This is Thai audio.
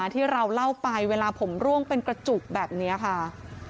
ที่เราเล่าไปเวลาผมร่วงเป็นกระจุกแบบนี้ค่ะ